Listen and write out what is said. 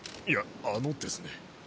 いやあのですね。